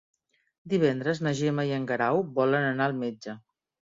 Divendres na Gemma i en Guerau volen anar al metge.